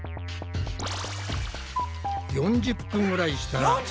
４０分ぐらいしたら。